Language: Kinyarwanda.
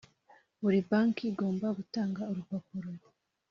Buri banki igomba gutanga urupapuro